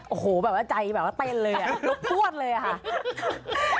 โอ้โหแบบว่าใจเต้นเลยลบพวดเลยค่ะ